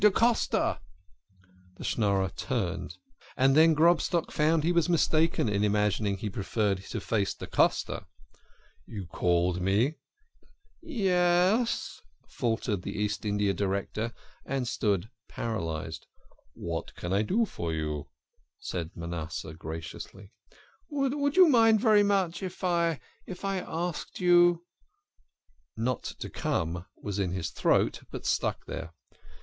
" Da Costa !" The Schnorrer turned, and then Grobstock found he was mistaken in imagining he preferred to face da Costa. "You called me?" enquired the beggar. "Ye e s," faltered the East India Director, and stood paralysed. "What can I do for you?" said Manasseh graciously. " Would you mind very much if I if I asked you '" Not to come," was in his throat, but stuck there.